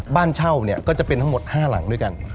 บ้านเช่าเนี่ยก็จะเป็นทั้งหมด๕หลังด้วยกัน